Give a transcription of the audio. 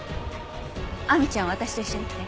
亜美ちゃんは私と一緒に来て。